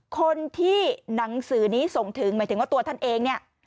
คนที่หนังสือนี้ส่งถึงหมายถึงว่าตัวท่านเองเนี่ย